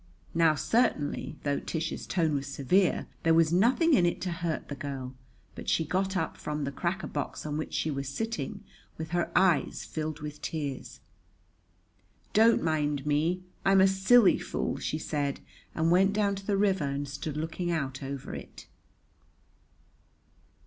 Now certainly, though Tish's tone was severe, there was nothing in it to hurt the girl; but she got up from the cracker box on which she was sitting, with her eyes filled with tears. "Don't mind me. I'm a silly fool," she said; and went down to the river and stood looking out over it.